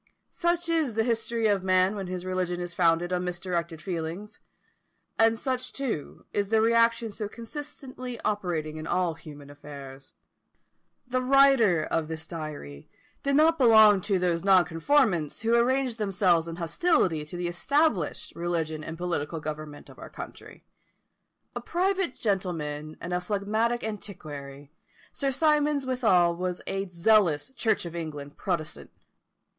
Such is the history of man when his religion is founded on misdirected feelings; and such, too, is the reaction so constantly operating in all human affairs. The writer of this diary did not belong to those nonconformists who arranged themselves in hostility to the established religion and political government of our country. A private gentleman and a phlegmatic antiquary, Sir Symonds withal was a zealous Church of England protestant.